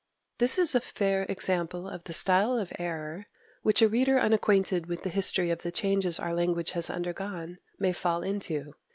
4. This is a fair example of the style of error which a reader unacquainted with the history of the changes our language has undergone may fall into.